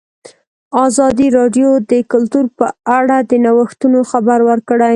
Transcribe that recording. ازادي راډیو د کلتور په اړه د نوښتونو خبر ورکړی.